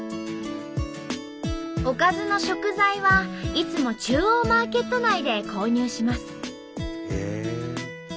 おかずの食材はいつも中央マーケット内で購入します。